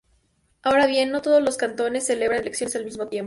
Ahora bien, no todos los cantones celebran elecciones al mismo tiempo.